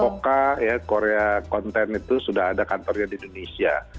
hoka ya korea konten itu sudah ada kantornya di indonesia